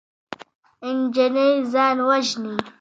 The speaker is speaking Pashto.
نجلۍ ځان وژني.